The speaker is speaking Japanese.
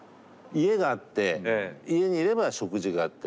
家があって家にいれば食事があって。